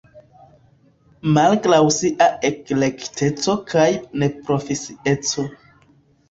Malgraŭ sia eklektikeco kaj neprofesieco.